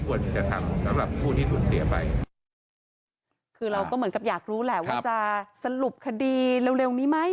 คุณเราก็เหมือนกับอยากรู้แล้วว่าจะสรุปคดีเร็วงี้ไหม